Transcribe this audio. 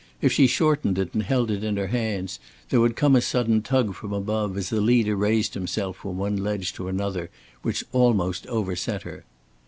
If she shortened it and held it in her hands, there would come a sudden tug from above as the leader raised himself from one ledge to another which almost overset her.